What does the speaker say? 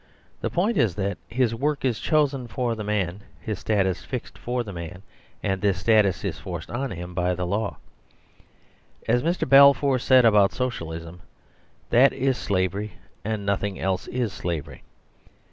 The point is that his work is chosen for the man, his status fixed for the man ; and this status is forced on him by law. As Mr. Balfour said about Social ism, that is slavery and nothing else is slavery.